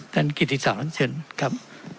ท่านกิจศักดิ์สัตว์เชิญครับ